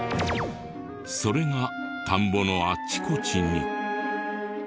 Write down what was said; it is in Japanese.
それが田んぼのあちこちに。